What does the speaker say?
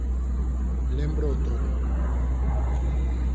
Lémbroo todo.